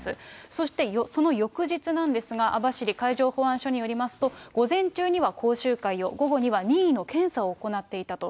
そして、その翌日なんですが、網走海上保安署によりますと、午前中には講習会を、午後には任意の検査を行っていたと。